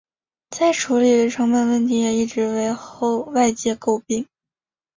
再处理的成本问题也一直为外界诟病。